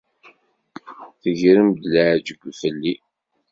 Tegrem-d leεǧeb fell-i.